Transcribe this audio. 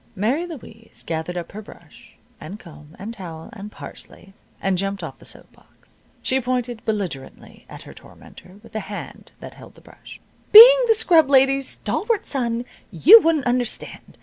Mary Louise gathered up her brush, and comb, and towel, and parsley, and jumped off the soap box. She pointed belligerently at her tormentor with the hand that held the brush. "Being the scrub lady's stalwart son, you wouldn't understand.